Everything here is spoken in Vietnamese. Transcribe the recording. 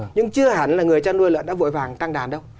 nhưng chưa hẳn là người chăn nuôi lợn đã vội vàng tăng đàn đâu